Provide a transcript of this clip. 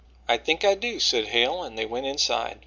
"I think I do," said Hale, and they went inside.